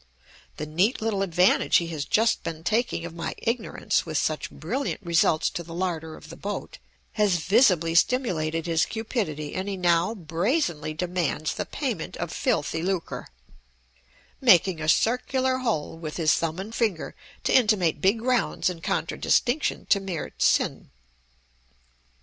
The neat little advantage he has just been taking of my ignorance with such brilliant results to the larder of the boat, has visibly stimulated his cupidity, and he now brazenly demands the payment of filthy lucre, making a circular hole with his thumb and finger to intimate big rounds in contradistinction to mere tsin.